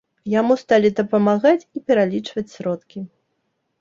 Яму сталі дапамагаць і пералічваць сродкі.